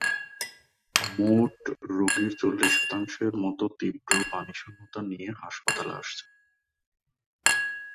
কয়েক বছরের গৃহযুদ্ধের পর, তিনি রাজধানী কাবুলের বিরুদ্ধে চূড়ান্ত আক্রমণে তালেবান গেরিলাদের নেতৃত্ব দেন।